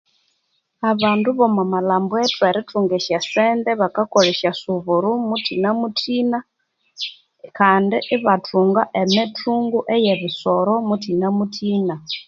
Abandu abomo malhambo ethu erithunga esya sente bakakolha esya suburo muthinamuthina, kandi ibathunga emithungu eye ebisoro muthinamuthina